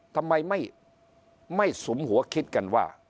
ทำไมไม่สุมหัวคิดกันว่า